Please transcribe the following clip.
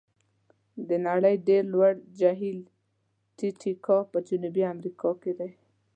د نړۍ ډېر لوړ جهیل تي تي کاکا په جنوب امریکا کې دی.